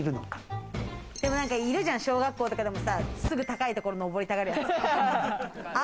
でもいるじゃん、小学校とかでもさ、すぐ高いところ登りたがる奴。